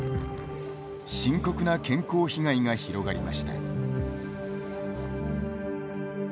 深刻な健康被害が広がりました。